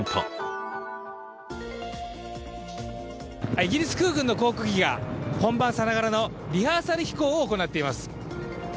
イギリス空軍の航空機が本番さながらのリハーサル飛行を行っています。